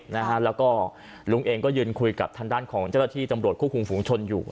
แล้วก็ลุงเองก็ยืนคุยกับทางด้านของเจ้าหน้าที่ตำรวจควบคุมฝูงชนอยู่